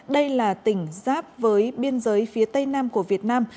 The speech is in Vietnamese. đây là tỉnh giáp với biên giới phía tây nam của việt nam